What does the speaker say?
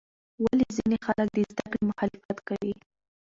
ولې ځینې خلک د زده کړې مخالفت کوي؟